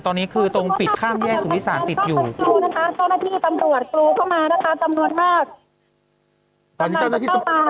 ตอนนี้ต้องมาตรงพื้นที่อีกครั้งหนึ่งนะคะ